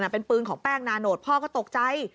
เป็นปืนของแป้งนาโนตพ่อก็ตกใจ